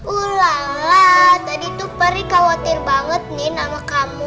ulala tadi tuh peri khawatir banget nin sama kamu